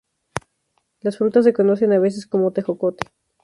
Las frutas se conocen a veces como "tejocote".